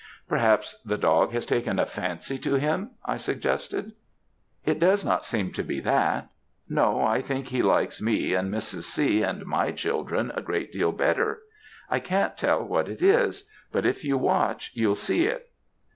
"'Perhaps the dog has taken a fancy to him?' I suggested. "'It does not seem to be that; no, I think he likes me and Mrs. C. and my children a great deal better. I can't tell what it is; but if you watch, you'll see it.'